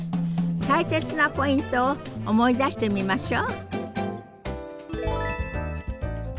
大切なポイントを思い出してみましょう。